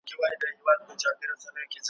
څنګه کارونه، صداقت په کار دئ